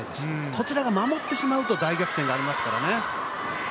こちらが守ってしまうと大逆転がありますからね。